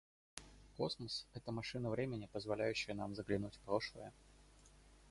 Космос - это машина времени, позволяющая нам заглянуть в прошлое.